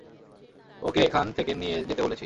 ওকে এখান থেকে নিয়ে যেতে বলেছি।